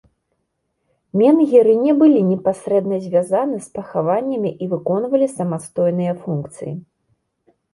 Менгіры не былі непасрэдна звязаны з пахаваннямі і выконвалі самастойныя функцыі.